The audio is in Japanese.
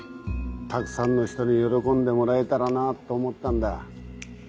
たくさんの人に喜んでもらえたらなっと思ったんだ。